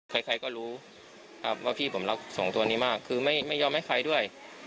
ใครก็รู้ครับว่าพี่ผมรักสองตัวนี้มากคือไม่ยอมให้ใครด้วย